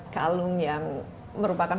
kalung yang merupakan